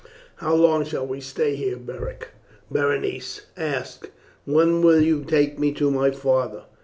"How long shall we stay here, Beric?" Berenice asked. "When will you take me to my father?"